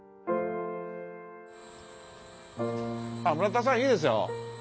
あっ村田さんいいですよ。